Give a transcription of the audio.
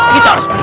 kita harus balik